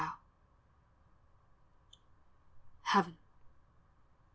HEAVEN.